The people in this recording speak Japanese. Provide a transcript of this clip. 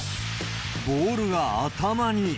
ボールが頭に。